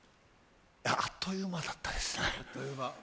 あっという間だったですね。